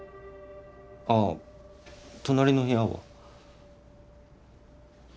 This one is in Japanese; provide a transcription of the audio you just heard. あっ隣の部屋は？